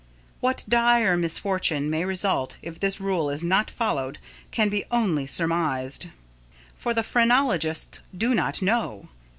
What dire misfortune may result if this rule is not followed can be only surmised, for the phrenologists do not know.